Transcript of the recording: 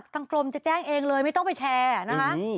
กรมจะแจ้งเองเลยไม่ต้องไปแชร์นะคะ